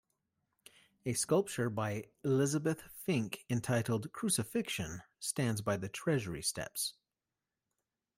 A sculpture by Elizabeth Fink entitled "Crucifixion" stands by the Treasury steps.